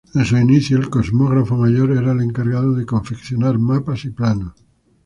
En sus inicios, el "Cosmógrafo Mayor" era el encargado de confeccionar mapas y planos.